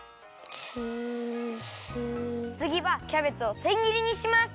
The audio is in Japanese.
つぎはキャベツをせんぎりにします。